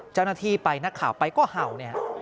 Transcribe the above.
เจ้าหน้าที่ไปนักข่าวไปก็เห่าเนี่ย